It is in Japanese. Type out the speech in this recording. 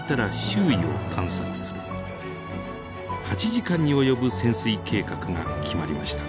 ８時間に及ぶ潜水計画が決まりました。